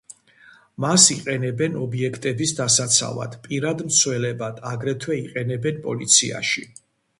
მას იყენებენ ობიექტების დასაცავად, პირად მცველებად, აგრეთვე იყენებენ პოლიციაში.